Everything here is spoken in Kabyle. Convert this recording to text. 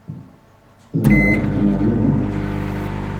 Zemreɣ ad qqimeɣ yid-m?